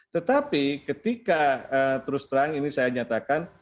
tetapi ketika terus terang ini saya nyatakan